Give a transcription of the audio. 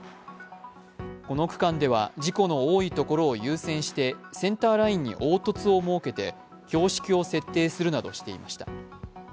この区間では事故の多いところを優先してセンターラインに凹凸を設けて標識を設定するなどしていました。